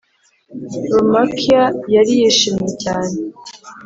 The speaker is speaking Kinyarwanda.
romaquia yari yishimye cyane